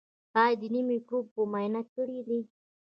ایا د ینې مکروب مو معاینه کړی دی؟